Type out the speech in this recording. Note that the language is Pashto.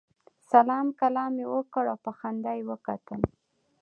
سلام کلام یې وکړ او په خندا یې وکتل.